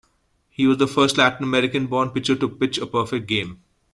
He was the first Latin American-born pitcher to pitch a perfect game.